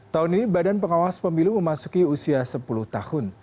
tahun ini badan pengawas pemilu memasuki usia sepuluh tahun